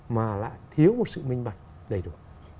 mà lại thiếu một sự minh bạch đầy đủ